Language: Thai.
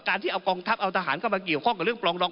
ที่เอากองทัพเอาทหารเข้ามาเกี่ยวข้องกับเรื่องปลองดอ